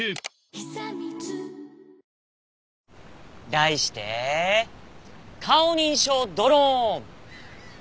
題して顔認証ドローン！